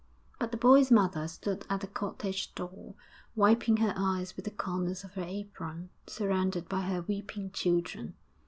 But the boy's mother stood at the cottage door, wiping her eyes with the corner of her apron, surrounded by her weeping children.